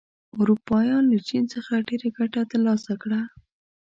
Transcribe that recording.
اروپایان له چین څخه ډېره ګټه تر لاسه کړه.